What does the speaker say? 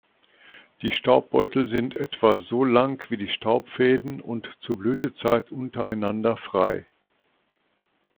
Die Staubbeutel sind etwa so lang wie die Staubfäden und zur Blütezeit untereinander frei.